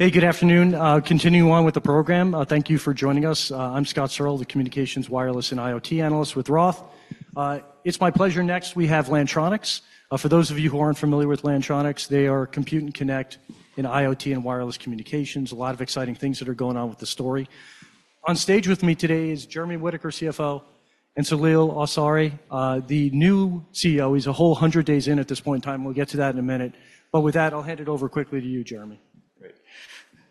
Hey, good afternoon. Continuing on with the program, thank you for joining us. I'm Scott Searle, the Communications, Wireless, and IoT Analyst with Roth. It's my pleasure. Next, we have Lantronix. For those of you who aren't familiar with Lantronix, they are Compute and Connect in IoT and wireless communications. A lot of exciting things that are going on with the story. On stage with me today is Jeremy Whitaker, CFO, and Saleel Awsare, the new CEO. He's a whole 100 days in at this point in time. We'll get to that in a minute. With that, I'll hand it over quickly to you, Jeremy.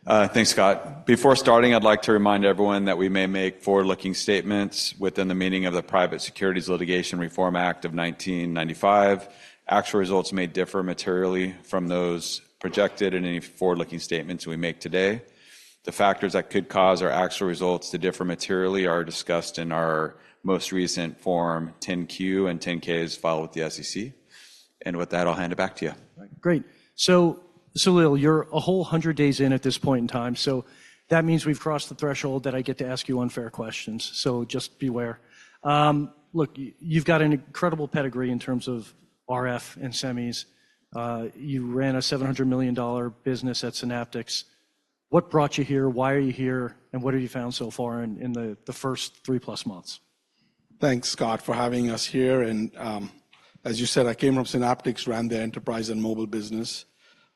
Great. Thanks, Scott. Before starting, I'd like to remind everyone that we may make forward-looking statements within the meaning of the Private Securities Litigation Reform Act of 1995. Actual results may differ materially from those projected in any forward-looking statements we make today. The factors that could cause our actual results to differ materially are discussed in our most recent Form 10-Q and 10-Ks filed with the SEC. With that, I'll hand it back to you. Great. So, Saleel, you're a whole 100 days in at this point in time. So that means we've crossed the threshold that I get to ask you unfair questions. So just beware. Look, you've got an incredible pedigree in terms of RF and semis. You ran a $700 million business at Synaptics. What brought you here? Why are you here? And what have you found so far in the first 3+ months? Thanks, Scott, for having us here. And as you said, I came from Synaptics, ran the enterprise and mobile business,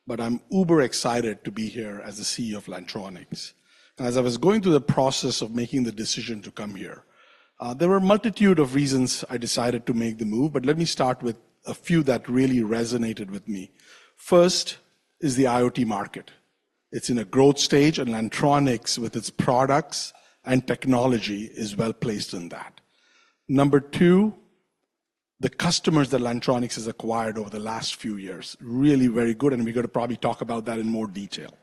but I'm uber-excited to be here as the CEO of Lantronix. And as I was going through the process of making the decision to come here, there were a multitude of reasons I decided to make the move. But let me start with a few that really resonated with me. First is the IoT market. It's in a growth stage, and Lantronix, with its products and technology, is well placed in that. Number two, the customers that Lantronix has acquired over the last few years are really very good. And we're going to probably talk about that in more detail.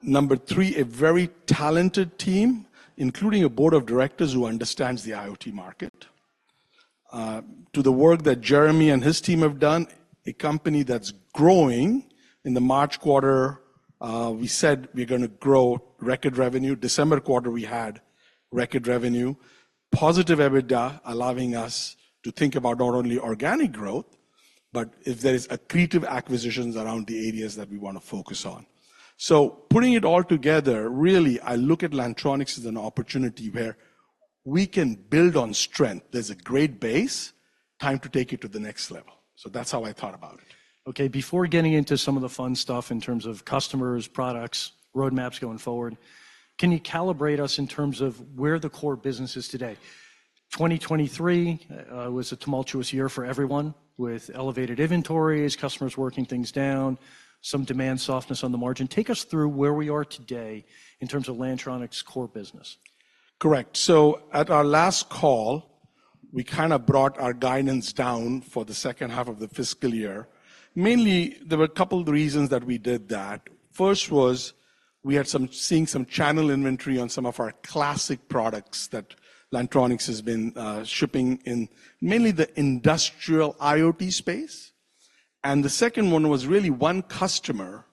Number three, a very talented team, including a board of directors who understands the IoT market. to the work that Jeremy and his team have done, a company that's growing in the March quarter, we said we're going to grow record revenue. December quarter, we had record revenue. Positive EBITDA allowing us to think about not only organic growth, but if there are accretive acquisitions around the areas that we want to focus on. So putting it all together, really, I look at Lantronix as an opportunity where we can build on strength. There's a great base. Time to take it to the next level. So that's how I thought about it. OK, before getting into some of the fun stuff in terms of customers, products, roadmaps going forward, can you calibrate us in terms of where the core business is today? 2023 was a tumultuous year for everyone with elevated inventories, customers working things down, some demand softness on the margin. Take us through where we are today in terms of Lantronix's core business. Correct. So at our last call, we kind of brought our guidance down for the second half of the fiscal year. Mainly, there were a couple of reasons that we did that. First was we had some channel inventory on some of our classic products that Lantronix has been shipping in, mainly the industrial IoT space. And the second one was really one customer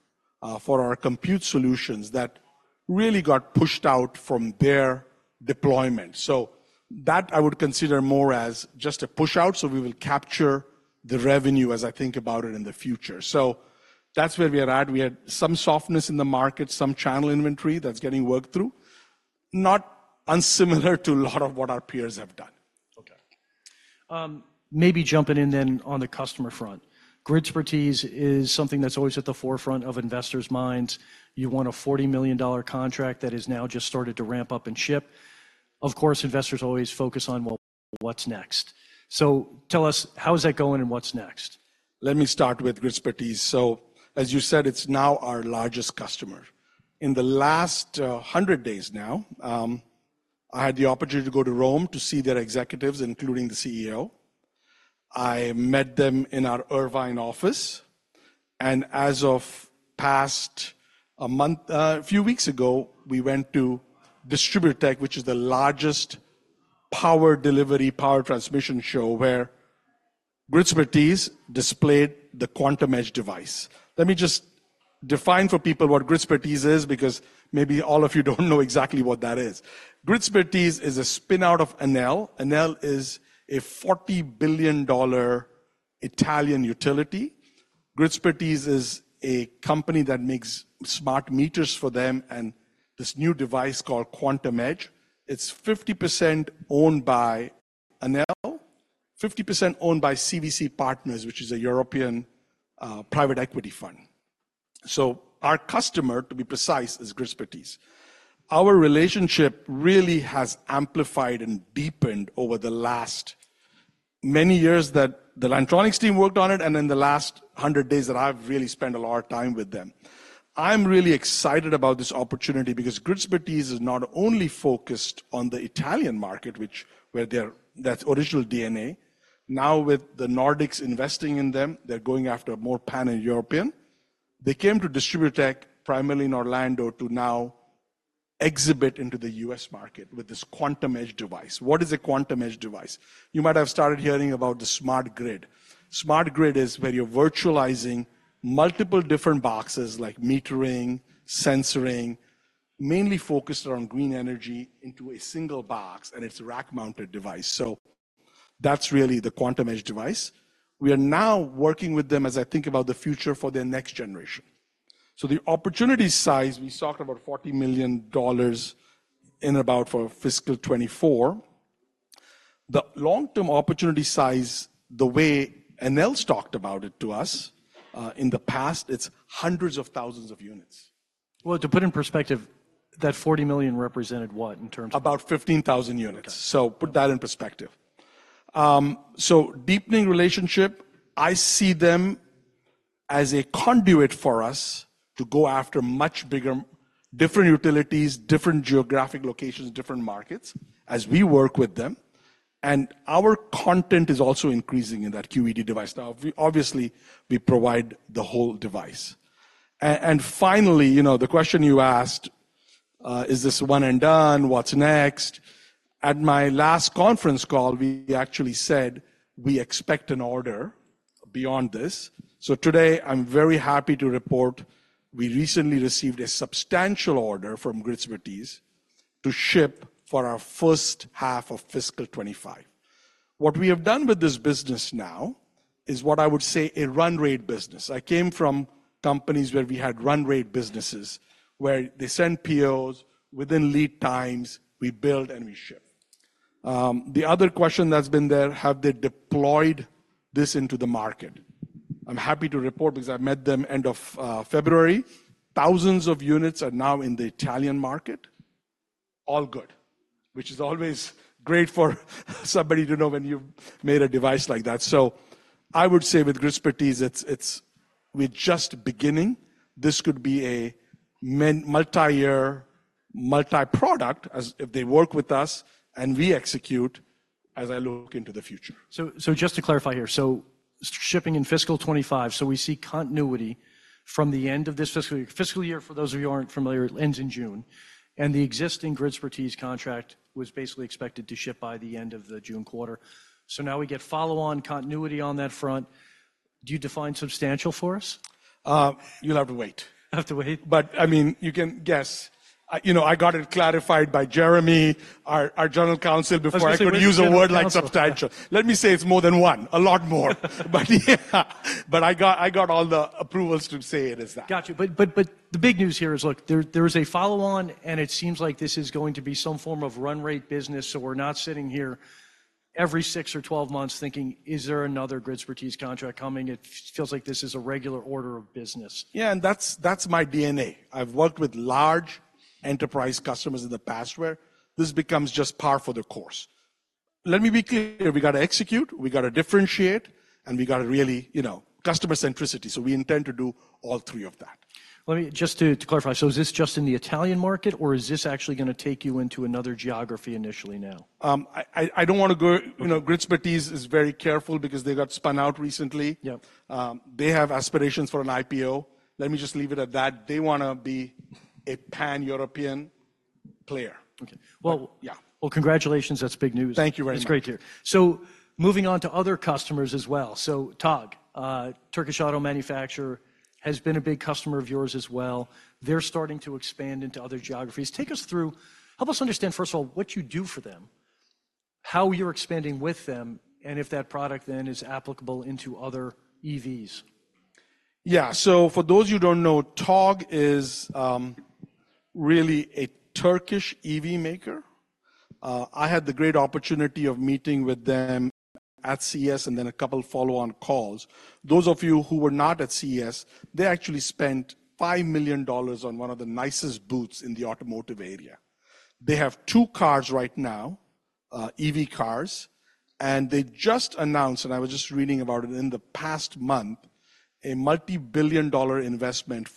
for our compute solutions that really got pushed out from their deployment. So that I would consider more as just a push out. So we will capture the revenue as I think about it in the future. So that's where we are at. We had some softness in the market, some channel inventory that's getting worked through, not unsimilar to a lot of what our peers have done. OK. Maybe jumping in then on the customer front. Gridspertise is something that's always at the forefront of investors' minds. You want a $40 million contract that has now just started to ramp up and ship. Of course, investors always focus on, well, what's next? So tell us, how is that going, and what's next? Let me start with Gridspertise. So as you said, it's now our largest customer. In the last 100 days now, I had the opportunity to go to Rome to see their executives, including the CEO. I met them in our Irvine office. And as of a few weeks ago, we went to DISTRIBUTECH, which is the largest power delivery, power transmission show where Gridspertise displayed the Quantum Edge device. Let me just define for people what Gridspertise is, because maybe all of you don't know exactly what that is. Gridspertise is a spin-out of Enel. Enel is a $40 billion Italian utility. Gridspertise is a company that makes smart meters for them and this new device called Quantum Edge. It's 50% owned by Enel, 50% owned by CVC Capital Partners, which is a European private equity fund. So our customer, to be precise, is Gridspertise. Our relationship really has amplified and deepened over the last many years that the Lantronix team worked on it and in the last 100 days that I've really spent a lot of time with them. I'm really excited about this opportunity because Gridspertise is not only focused on the Italian market, which is their original DNA. Now, with the Nordics investing in them, they're going after a more pan-European. They came to DISTRIBUTECH, primarily in Orlando, to now exhibit into the U.S. market with this Quantum Edge device. What is a Quantum Edge device? You might have started hearing about the smart grid. Smart grid is where you're virtualizing multiple different boxes, like metering, sensoring, mainly focused around green energy, into a single box. It's a rack-mounted device. So that's really the Quantum Edge device. We are now working with them as I think about the future for their next generation. So the opportunity size, we talked about $40 million in about fiscal 2024. The long-term opportunity size, the way Enel's talked about it to us in the past, it's hundreds of thousands of units. Well, to put in perspective, that $40 million represented what in terms of? About 15,000 units. So put that in perspective. So deepening relationship, I see them as a conduit for us to go after much bigger, different utilities, different geographic locations, different markets as we work with them. And our content is also increasing in that QEd device. Now, obviously, we provide the whole device. And finally, the question you asked, is this one and done? What's next? At my last conference call, we actually said we expect an order beyond this. So today, I'm very happy to report we recently received a substantial order from Gridspertise to ship for our first half of fiscal 2025. What we have done with this business now is what I would say a run-rate business. I came from companies where we had run-rate businesses, where they sent POs. Within lead times, we build and we ship. The other question that's been there, have they deployed this into the market? I'm happy to report because I met them end of February. Thousands of units are now in the Italian market. All good, which is always great for somebody to know when you've made a device like that. So I would say with Gridspertise, we're just beginning. This could be a multi-year, multi-product if they work with us and we execute as I look into the future. So just to clarify here, so shipping in fiscal 2025, so we see continuity from the end of this fiscal year. Fiscal year, for those of you who aren't familiar, ends in June. The existing Gridspertise contract was basically expected to ship by the end of the June quarter. So now we get follow-on continuity on that front. Do you define substantial for us? You'll have to wait. Have to wait? I mean, you can guess. I got it clarified by Jeremy, our General Counsel, before I could use a word like substantial. Let me say it's more than one, a lot more. I got all the approvals to say it is that. Got you. But the big news here is, look, there is a follow-on, and it seems like this is going to be some form of run-rate business. So we're not sitting here every 6 months or 12 months thinking, is there another Gridspertise contract coming? It feels like this is a regular order of business. Yeah, and that's my DNA. I've worked with large enterprise customers in the past where this becomes just par for the course. Let me be clear. We got to execute. We got to differentiate. And we got to really customer centricity. So we intend to do all three of that. Just to clarify, so is this just in the Italian market, or is this actually going to take you into another geography initially now? I don't want to go Gridspertise is very careful because they got spun out recently. They have aspirations for an IPO. Let me just leave it at that. They want to be a pan-European player. OK. Well, congratulations. That's big news. Thank you very much. It's great to hear. So moving on to other customers as well. So Togg, Turkish auto manufacturer, has been a big customer of yours as well. They're starting to expand into other geographies. Take us through, help us understand, first of all, what you do for them, how you're expanding with them, and if that product then is applicable into other EVs. Yeah. So for those you don't know, Togg is really a Turkish EV maker. I had the great opportunity of meeting with them at CES and then a couple of follow-on calls. Those of you who were not at CES, they actually spent $5 million on one of the nicest booths in the automotive area. They have two cars right now, EV cars. And they just announced, and I was just reading about it in the past month, a multi-billion-dollar investment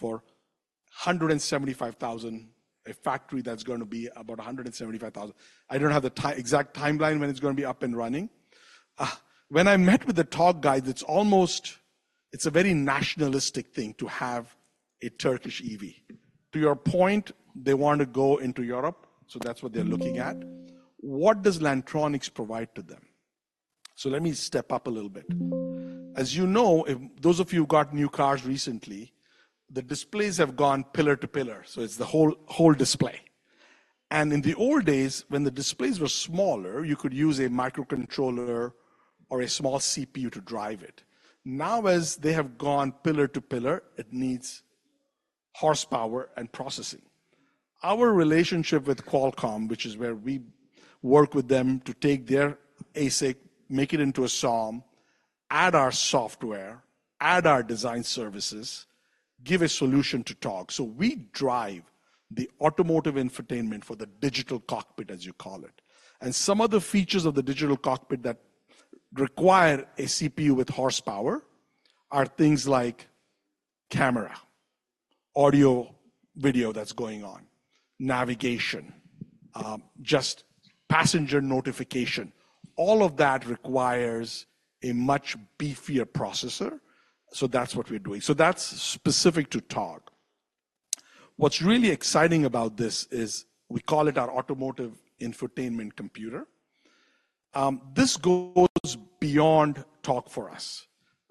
for 175,000, a factory that's going to be about 175,000. I don't have the exact timeline when it's going to be up and running. When I met with the Togg guys, it's a very nationalistic thing to have a Turkish EV. To your point, they want to go into Europe. So that's what they're looking at. What does Lantronix provide to them? So let me step up a little bit. As you know, those of you who got new cars recently, the displays have gone pillar to pillar. So it's the whole display. And in the old days, when the displays were smaller, you could use a microcontroller or a small CPU to drive it. Now, as they have gone pillar to pillar, it needs horsepower and processing. Our relationship with Qualcomm, which is where we work with them to take their ASIC, make it into a SOM, add our software, add our design services, give a solution to Togg. So we drive the automotive infotainment for the digital cockpit, as you call it. And some of the features of the digital cockpit that require a CPU with horsepower are things like camera, audio/video that's going on, navigation, just passenger notification. All of that requires a much beefier processor. So that's what we're doing. So that's specific to Togg. What's really exciting about this is we call it our Automotive Infotainment Computer. This goes beyond Togg for us.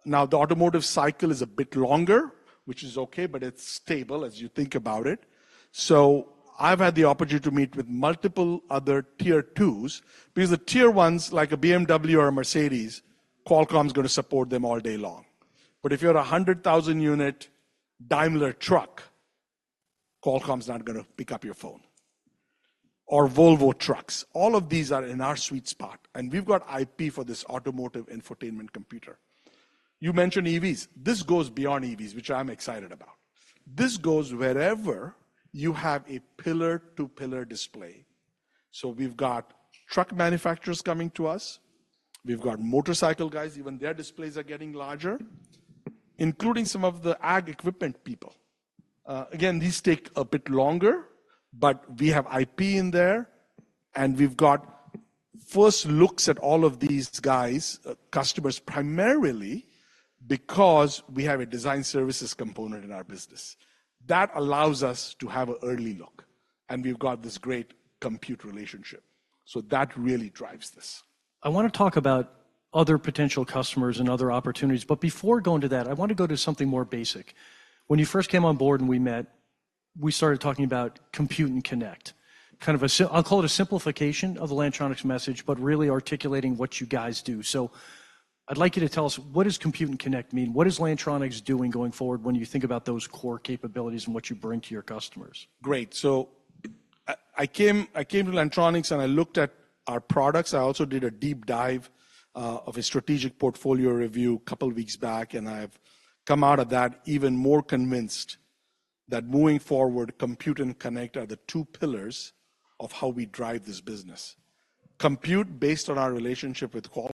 Now, the automotive cycle is a bit longer, which is OK, but it's stable, as you think about it. So I've had the opportunity to meet with multiple other Tier II. Because the Tier I, like a BMW or a Mercedes-Benz, Qualcomm's going to support them all day long. But if you're a 100,000-unit Daimler Truck, Qualcomm's not going to pick up your phone. Or Volvo Trucks. All of these are in our sweet spot. And we've got IP for this Automotive Infotainment Computer. You mentioned EVs. This goes beyond EVs, which I'm excited about. This goes wherever you have a pillar-to-pillar display. So we've got truck manufacturers coming to us. We've got motorcycle guys. Even their displays are getting larger, including some of the ag equipment people. Again, these take a bit longer. But we have IP in there. And we've got first looks at all of these guys, customers, primarily because we have a design services component in our business. That allows us to have an early look. And we've got this great compute relationship. So that really drives this. I want to talk about other potential customers and other opportunities. But before going to that, I want to go to something more basic. When you first came on board and we met, we started talking about Compute and Connect, kind of a—I'll call it—a simplification of the Lantronix message, but really articulating what you guys do. So I'd like you to tell us, what does Compute and Connect mean? What is Lantronix doing going forward when you think about those core capabilities and what you bring to your customers? Great. So I came to Lantronix, and I looked at our products. I also did a deep dive of a strategic portfolio review a couple of weeks back. And I've come out of that even more convinced that moving forward, Compute and Connect are the two pillars of how we drive this business. Compute, based on our relationship with Qualcomm,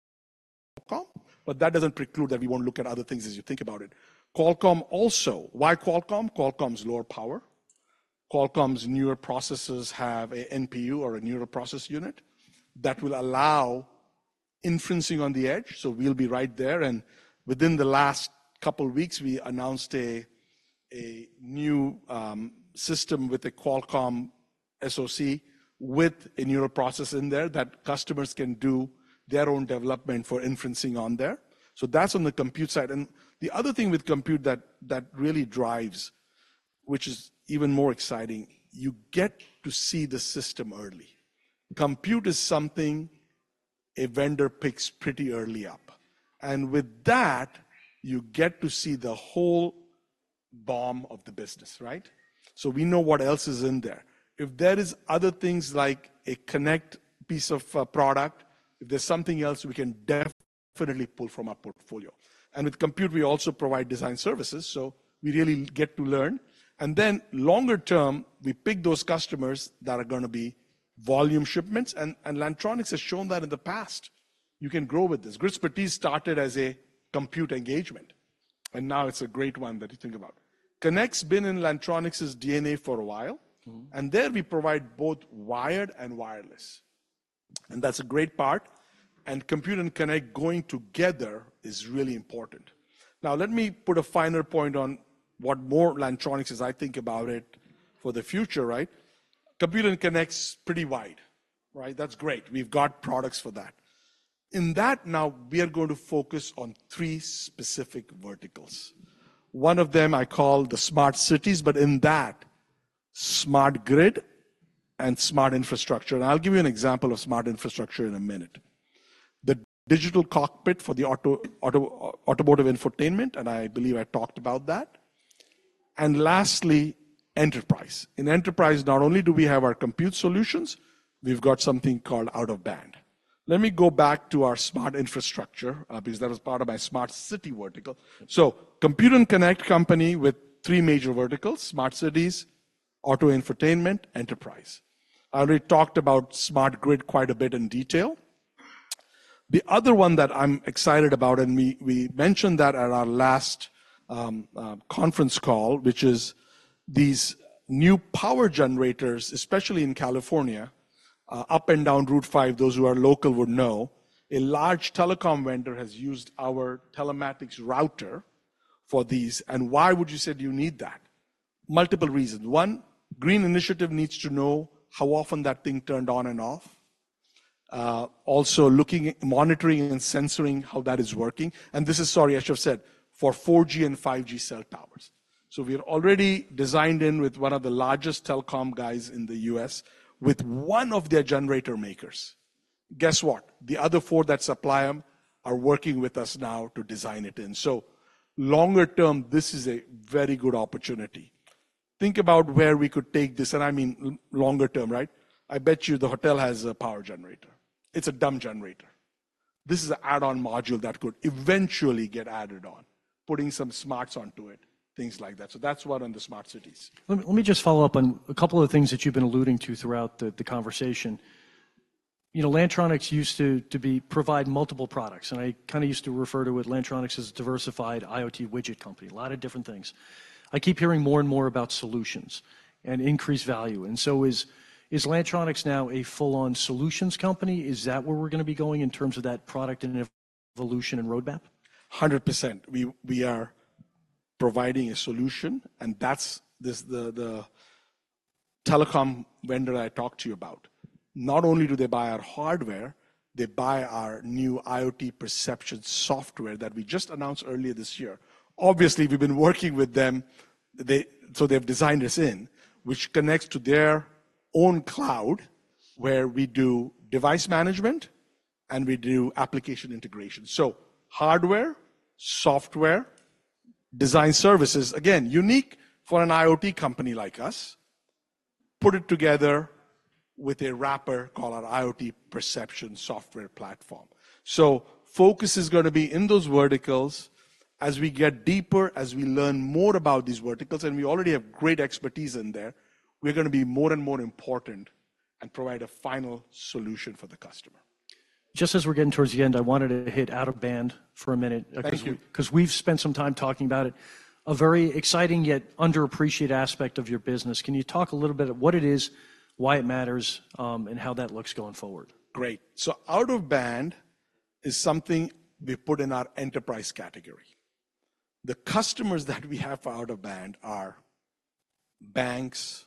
but that doesn't preclude that we won't look at other things as you think about it. Qualcomm also why Qualcomm? Qualcomm's lower power. Qualcomm's newer processors have an NPU or a neural processing unit that will allow inferencing on the edge. So we'll be right there. And within the last couple of weeks, we announced a new system with a Qualcomm SoC with a neural processing in there that customers can do their own development for inferencing on there. So that's on the compute side. And the other thing with compute that really drives, which is even more exciting, you get to see the system early. Compute is something a vendor picks pretty early up. And with that, you get to see the whole BOM of the business. So we know what else is in there. If there are other things like a Connect piece of product, if there's something else, we can definitely pull from our portfolio. And with compute, we also provide design services. So we really get to learn. And then, longer term, we pick those customers that are going to be volume shipments. And Lantronix has shown that in the past. You can grow with this. Gridspertise started as a compute engagement. And now it's a great one that you think about. Connect's been in Lantronix's DNA for a while. And there, we provide both wired and wireless. And that's a great part. And Compute and Connect going together is really important. Now, let me put a finer point on what more Lantronix is, I think about it for the future. Compute and Connect's pretty wide. That's great. We've got products for that. In that, now, we are going to focus on three specific verticals. One of them I call the smart cities. But in that, smart grid and smart infrastructure. And I'll give you an example of smart infrastructure in a minute, the digital cockpit for the automotive infotainment. And I believe I talked about that. And lastly, enterprise. In enterprise, not only do we have our compute solutions, we've got something called out-of-band. Let me go back to our smart infrastructure because that was part of my smart city vertical. So Compute and Connect company with three major verticals, smart cities, auto infotainment, enterprise. I already talked about smart grid quite a bit in detail. The other one that I'm excited about, and we mentioned that at our last conference call, which is these new power generators, especially in California, up and down Interstate 5, those who are local would know, a large telecom vendor has used our telematics router for these. And why would you say you need that? Multiple reasons. One, green initiative needs to know how often that thing turned on and off, also monitoring and sensing how that is working. And this is, sorry, I should have said, for 4G and 5G cell towers. So we are already designed in with one of the largest telecom guys in the U.S. with one of their generator makers. Guess what? The other four that supply them are working with us now to design it in. So longer term, this is a very good opportunity. Think about where we could take this. And I mean longer term. I bet you the hotel has a power generator. It's a dumb generator. This is an add-on module that could eventually get added on, putting some smarts onto it, things like that. So that's what on the smart cities. Let me just follow up on a couple of the things that you've been alluding to throughout the conversation. Lantronix used to provide multiple products. I kind of used to refer to it, Lantronix, as a diversified IoT widget company, a lot of different things. I keep hearing more and more about solutions and increased value. And so is Lantronix now a full-on solutions company? Is that where we're going to be going in terms of that product and evolution and roadmap? 100%. We are providing a solution. That's the telecom vendor I talked to you about. Not only do they buy our hardware, they buy our new IoT Percepxion software that we just announced earlier this year. Obviously, we've been working with them. They've designed us in, which connects to their own cloud, where we do device management, and we do application integration. Hardware, software, design services, again, unique for an IoT company like us, put it together with a wrapper called our IoT Percepxion software platform. Focus is going to be in those verticals. As we get deeper, as we learn more about these verticals, and we already have great expertise in there, we're going to be more and more important and provide a final solution for the customer. Just as we're getting towards the end, I wanted to hit out-of-band for a minute. Thank you. Because we've spent some time talking about it, a very exciting yet underappreciated aspect of your business. Can you talk a little bit of what it is, why it matters, and how that looks going forward? Great. So out-of-band is something we put in our enterprise category. The customers that we have for out-of-band are banks,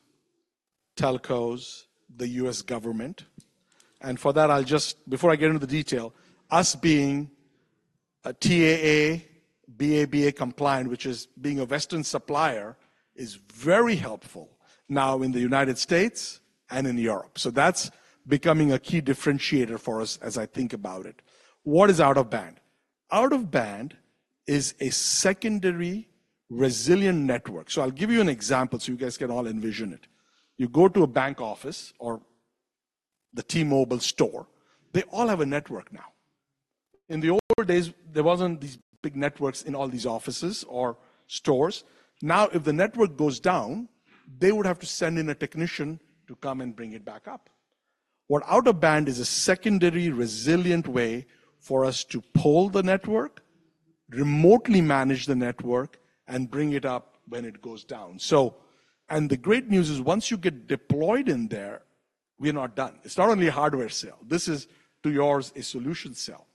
telcos, the U.S. government. And for that, I'll just, before I get into the detail, us being a TAA, BABA compliant, which is being a Western supplier, is very helpful now in the United States and in Europe. So that's becoming a key differentiator for us as I think about it. What is out-of-band? Out-of-band is a secondary resilient network. So I'll give you an example so you guys can all envision it. You go to a bank office or the T-Mobile store. They all have a network now. In the old days, there weren't these big networks in all these offices or stores. Now, if the network goes down, they would have to send in a technician to come and bring it back up. What out-of-band is a secondary resilient way for us to pull the network, remotely manage the network, and bring it up when it goes down. The great news is, once you get deployed in there, we're not done. It's not only a hardware sale. This is, to yours, a solution sale.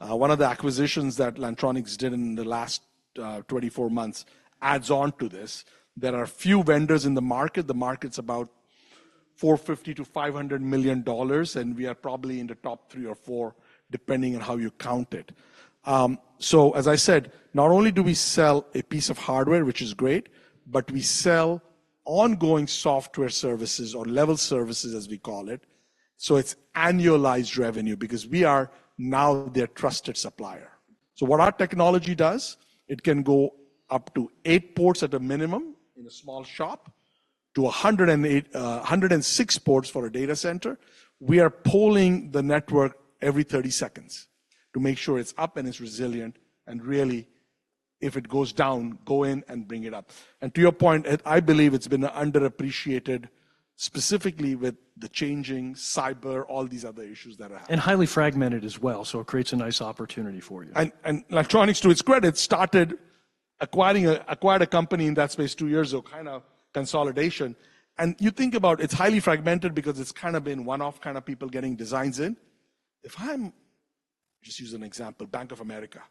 One of the acquisitions that Lantronix did in the last 24 months adds on to this. There are few vendors in the market. The market's about $450 million-$500 million. We are probably in the top three or four, depending on how you count it. As I said, not only do we sell a piece of hardware, which is great, but we sell ongoing software services or level services, as we call it. It's annualized revenue because we are now their trusted supplier. What our technology does, it can go up to 8 ports at a minimum in a small shop to 106 ports for a data center. We are pulling the network every 30 seconds to make sure it's up and it's resilient. Really, if it goes down, go in and bring it up. To your point, I believe it's been underappreciated, specifically with the changing cyber, all these other issues that are happening. Highly fragmented as well. It creates a nice opportunity for you. Lantronix, to its credit, started acquired a company in that space two years ago, kind of consolidation. You think about it's highly fragmented because it's kind of been one-off kind of people getting designs in. If I'm just use an example, Bank of America,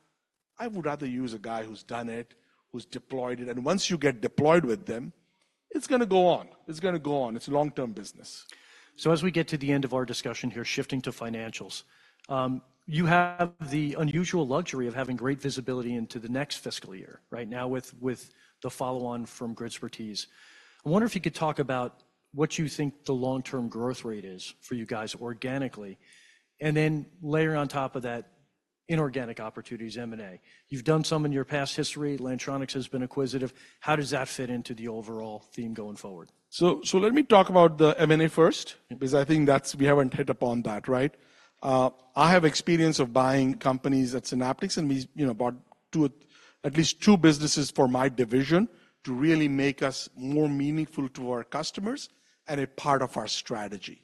I would rather use a guy who's done it, who's deployed it. Once you get deployed with them, it's going to go on. It's going to go on. It's a long-term business. As we get to the end of our discussion here, shifting to financials, you have the unusual luxury of having great visibility into the next fiscal year right now with the follow-on from Gridspertise. I wonder if you could talk about what you think the long-term growth rate is for you guys organically, and then layer on top of that inorganic opportunities, M&A. You've done some in your past history. Lantronix has been acquisitive. How does that fit into the overall theme going forward? Let me talk about the M&A first because I think we haven't hit upon that. I have experience of buying companies at Synaptics. We bought at least two businesses for my division to really make us more meaningful to our customers and a part of our strategy.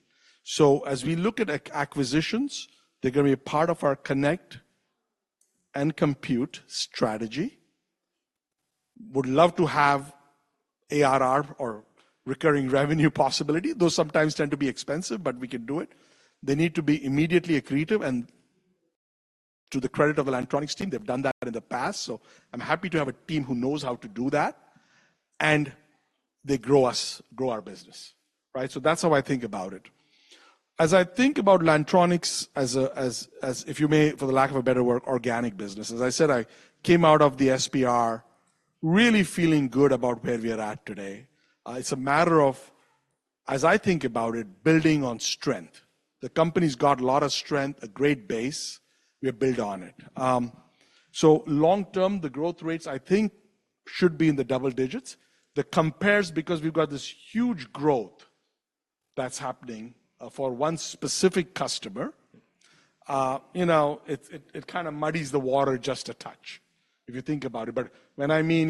As we look at acquisitions, they're going to be a part of our Connect and Compute strategy. Would love to have ARR or recurring revenue possibility. Those sometimes tend to be expensive, but we can do it. They need to be immediately accretive. To the credit of the Lantronix team, they've done that in the past. I'm happy to have a team who knows how to do that. They grow our business. That's how I think about it. As I think about Lantronix as, if you may, for the lack of a better word, organic business, as I said, I came out of the SPR really feeling good about where we are at today. It's a matter of, as I think about it, building on strength. The company's got a lot of strength, a great base. We have built on it. So long term, the growth rates, I think, should be in the double digits. The compares, because we've got this huge growth that's happening for one specific customer, it kind of muddies the water just a touch if you think about it. But when I mean,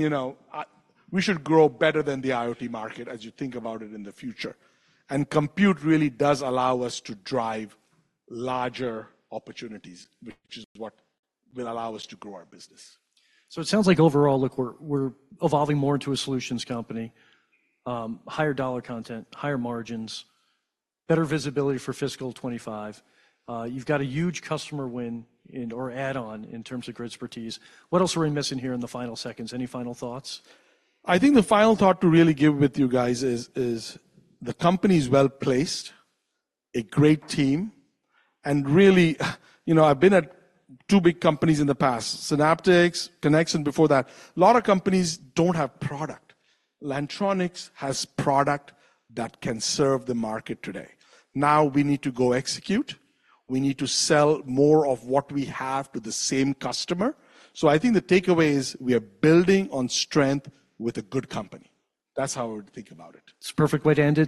we should grow better than the IoT market as you think about it in the future. And Compute really does allow us to drive larger opportunities, which is what will allow us to grow our business. So it sounds like, overall, look, we're evolving more into a solutions company, higher dollar content, higher margins, better visibility for fiscal 2025. You've got a huge customer win or add-on in terms of Gridspertise. What else are we missing here in the final seconds? Any final thoughts? I think the final thought to really give with you guys is the company's well-placed, a great team. And really, I've been at two big companies in the past, Synaptics, Qualcomm, and before that. A lot of companies don't have product. Lantronix has product that can serve the market today. Now, we need to go execute. We need to sell more of what we have to the same customer. So I think the takeaway is we are building on strength with a good company. That's how I would think about it. It's a perfect way to end it.